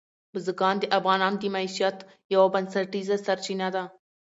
بزګان د افغانانو د معیشت یوه بنسټیزه سرچینه ده.